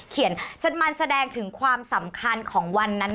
เขียนมันแสดงถึงความสำคัญของวันนั้น